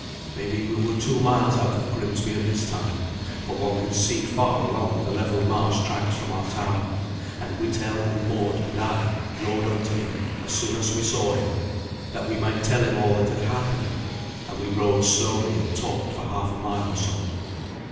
Maybe we were two miles out of Grimsby at this time, for one can see far along the level marsh tracks from our tower; and Withelm and Mord and I rode on to him as soon as we saw him, that we might tell him all that had happened, and we rode slowly and talked for half a mile or so.